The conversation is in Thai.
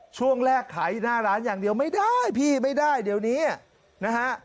ช่วงแรกขายอยู่หน้าร้านอย่างเดียวไม่ได้พี่ไม่ได้เดี๋ยวนี้นะฮะ